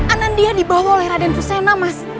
anandia dibawa oleh raden fusena mas